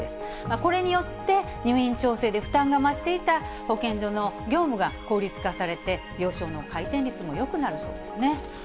これによって、入院調整で負担が増していた保健所の業務が効率化されて、病床の回転率もよくなるそうですね。